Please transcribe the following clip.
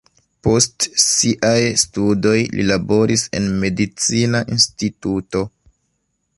Post siaj studoj li laboris en medicina instituto.